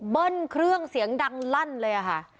เบิ้ลเครื่องเสียงดังลั่นเลยอะค่ะ